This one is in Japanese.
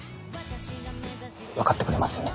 分かってくれますよね